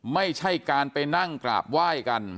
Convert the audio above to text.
ไม่ใช่การไปนั่งกราบไหว้กัน